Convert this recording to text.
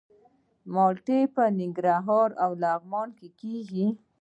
مالټې په ننګرهار او لغمان کې کیږي.